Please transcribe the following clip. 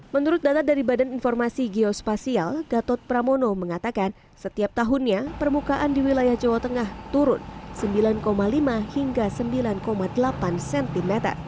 menurut data dari badan informasi geospasial gatot pramono mengatakan setiap tahunnya permukaan di wilayah jawa tengah turun sembilan lima hingga sembilan delapan cm